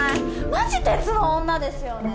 マジ鉄の女ですよね。